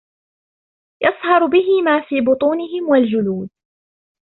يصهر به ما في بطونهم والجلود